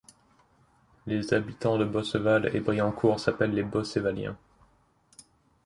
Les habitants de Bosseval-et-Briancourt s'appellent les Bossévaliens.